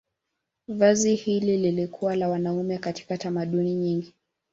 Vazi hili lilikuwa la wanaume katika tamaduni nyingi.